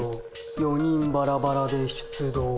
４人バラバラで出動。